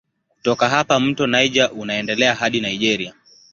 Kutoka hapa mto Niger unaendelea hadi Nigeria.